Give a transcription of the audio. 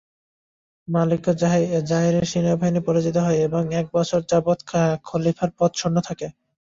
মালিকু যাহিরের সেনাবাহিনী পরাজিত হয় এবং এক বছর যাবত খলীফার পদ শূন্য থাকে।